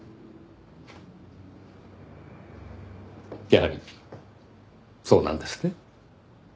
やはりそうなんですね。